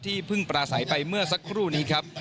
เพิ่งปราศัยไปเมื่อสักครู่นี้ครับ